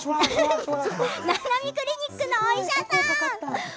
ななみクリニックのお医者さんだよ！